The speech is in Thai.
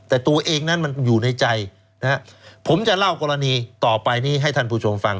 แต่ตัวเองนั้นมันอยู่ในใจนะฮะผมจะเล่ากรณีต่อไปนี้ให้ท่านผู้ชมฟัง